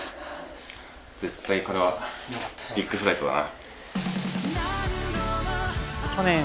絶対これはビッグフライトだな。